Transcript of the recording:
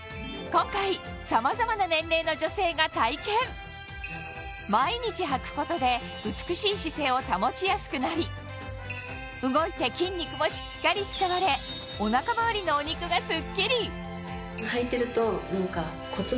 今回毎日はくことで美しい姿勢を保ちやすくなり動いて筋肉もしっかり使われめちゃくちゃうれしいです。